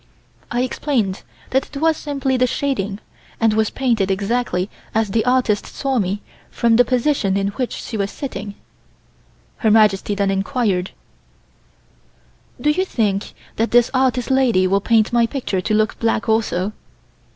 I explained that it was simply the shading and was painted exactly as the artist saw me from the position in which she was sitting. Her Majesty then enquired: "Do you think that this Artist lady will paint my picture to look black also?